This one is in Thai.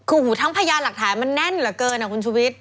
คือทั้งพยานหลักฐานมันแน่นเหลือเกินคุณชุวิต